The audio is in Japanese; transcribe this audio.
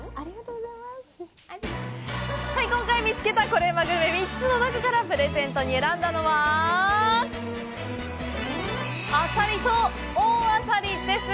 うまグルメ３つの中からプレゼントに選んだのはあさりと、大あさりです！